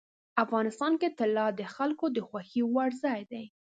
افغانستان کې طلا د خلکو د خوښې وړ ځای دی.